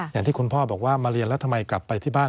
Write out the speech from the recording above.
อย่างที่คุณพ่อบอกว่ามาเรียนแล้วทำไมกลับไปที่บ้าน